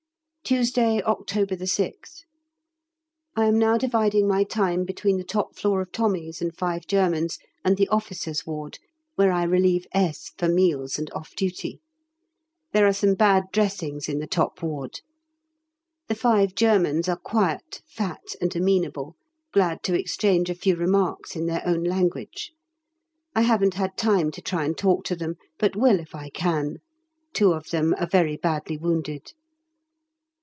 Tuesday, October 6th. I am now dividing my time between the top floor of Tommies and five Germans and the Officers' Ward, where I relieve S. for meals and off duty. There are some bad dressings in the top ward. The five Germans are quiet, fat, and amenable, glad to exchange a few remarks in their own language. I haven't had time to try and talk to them, but will if I can; two of them are very badly wounded.